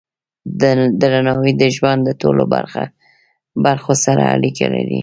درناوی د ژوند د ټولو برخو سره اړیکه لري.